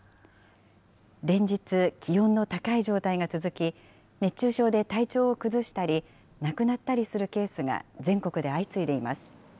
連日、気温の高い状態が続き、熱中症で体調を崩したり、亡くなったりするケースが全国で相次いでいます。